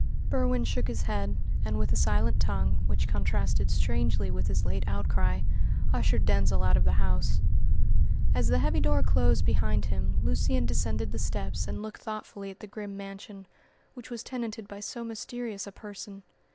Berwin shook his head, and with a silent tongue, which contrasted strangely with his late outcry, ushered Denzil out of the house. As the heavy door closed behind him Lucian descended the steps and looked thoughtfully at the grim mansion, which was tenanted by so mysterious a person.